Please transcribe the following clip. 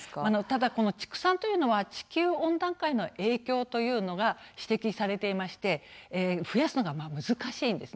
ところが畜産というのは地球温暖化への影響というのが指摘されていまして増やすのが難しいんです。